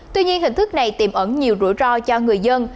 tuy nhiên hình thức này tiềm ẩn nhiều rủi ro cho người dân